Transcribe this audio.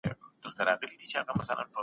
له سود څخه ځان وساتئ.